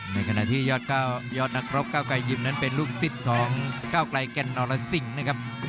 ในขณะที่ยอดนักรบก้าวไกลยิมนั้นเป็นลูกศิษย์ของก้าวไกลแก่นอรสิงห์นะครับ